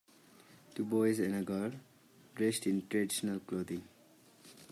Two boys and a girl dressed in traditional clothing.